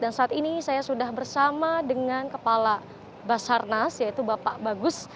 dan saat ini saya sudah bersama dengan kepala basarnas yaitu bapak bagus